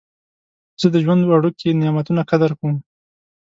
زه د ژوند وړوکي نعمتونه قدر کوم.